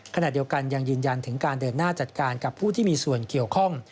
ขณะเดียวกันยังยืนยันถึงการเดินหน้าจัดการกับผู้ที่มีส่วนเกี่ยวข้อง